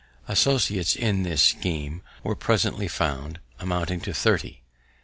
Associates in this scheme were presently found, amounting to thirty.